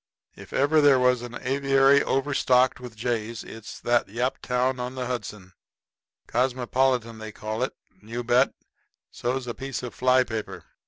If there ever was an aviary overstocked with jays it is that Yaptown on the Hudson. Cosmopolitan they call it. You bet. So's a piece of fly paper.